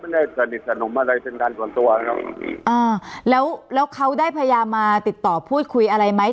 ไม่ได้สนิทสนุมอะไรจนกันส่วนตัวอ่าแล้วแล้วเขาได้พยายามมาติดต่อพูดคุยอะไรไหม